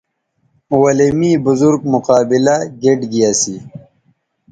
ولے می بزرگ مقابلہ گیئٹ گی اسی